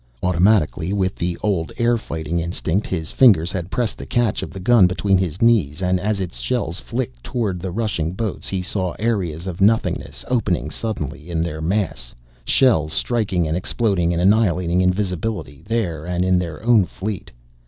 Automatically, with the old air fighting instinct, his fingers had pressed the catch of the gun between his knees and as its shells flicked toward the rushing boats he saw areas of nothingness opening suddenly in their mass, shells striking and exploding in annihilating invisibility there and in their own fleet.